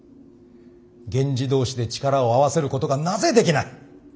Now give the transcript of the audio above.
源氏同士で力を合わせることがなぜできない。